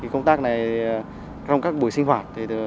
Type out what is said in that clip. công tác này trong các buổi sinh hoạt